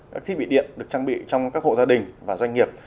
các thiết bị điện được trang bị trong các hộ gia đình và doanh nghiệp